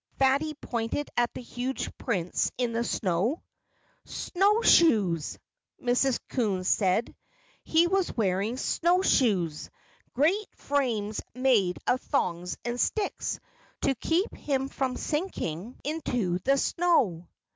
Fatty pointed at the huge prints in the snow. "Snowshoes!" Mrs. Coon said. "He was wearing snowshoes great frames made of thongs and sticks, to keep him from sinking into the snow."